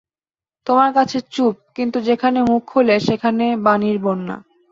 তোমার কাছে চুপ, কিন্তু যেখানে মুখ খোলে সেখানে বাণীর বন্যা।